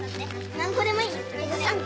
何個でもいいんよ。